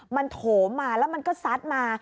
มันโถมมาแล้วมันก็ซัดมา